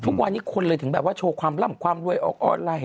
ทุกวันนี้คนเลยถึงแบบว่าโชว์ความล่ำความรวยออกออนไลน์